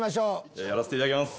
じゃあやらせていただきます。